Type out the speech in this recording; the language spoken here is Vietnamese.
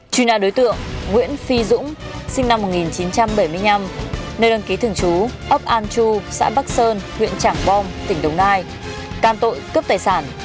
chuyên án đối tượng nguyễn phi dũng sinh năm một nghìn chín trăm bảy mươi năm nơi đăng ký thường chú ốc an chu xã bắc sơn huyện trảng bom tỉnh đồng nai can tội cướp tài sản